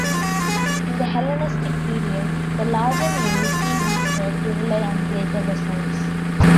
In the Hellenistic period, the larger navies came instead to rely on greater vessels.